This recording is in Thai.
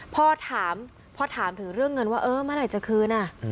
พอถามถึงเรื่องเงินว่าเออมาไหนจะคืนอะ